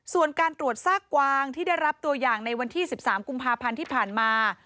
ส่วนการตรวจซากกวางที่ได้รับตัวอย่างในวันที่๑๓กุมภาพันธ์ที่ผ่านมา